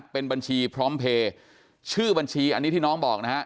เป็นบัญชีพร้อมเพลย์ชื่อบัญชีอันนี้ที่น้องบอกนะฮะ